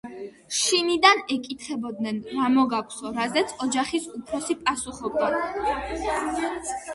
შინიდან ეკითხებოდნენ, რა მოგაქვსო, რაზეც ოჯახის უფროსი პასუხობდა